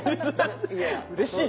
うれしい。